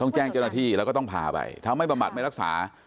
แจ้งเจ้าหน้าที่แล้วก็ต้องพาไปถ้าไม่บำบัดไม่รักษา